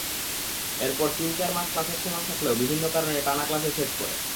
এরপর তিন-চার মাস ক্লাসের সময় থাকলেও বিভিন্ন কারণে টানা ক্লাসে ছেদ পড়ে।